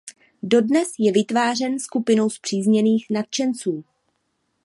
Dodnes je vytvářen skupinou spřízněných nadšenců.